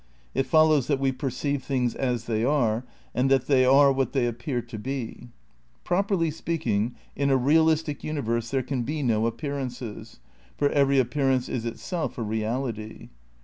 It follows that we perceive things as they are and that they are what they appear to be. Properly speaking, in a realistic xmi verse there can be no appearances, for every appear ance is itself a reality.